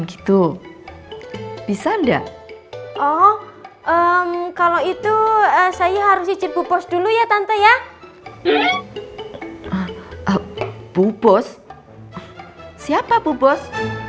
gitu bisa enggak oh kalau itu saya harus izin bupos dulu ya tante ya bu bos siapa bu bos